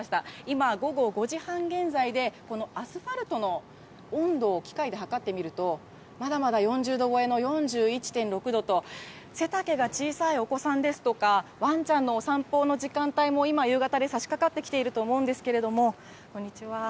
今、午後５時半現在で、このアスファルトの温度を機械ではかってみると、まだまだ４０度超えの４１．６度と、背丈が小さいお子さんですとか、ワンちゃんのお散歩の時間帯も今、夕方でさしかかってきていると思うんですけれども、こんにちは。